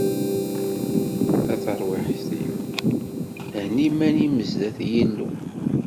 A tarwiḥt-iw, henni iman-im sdat Yillu.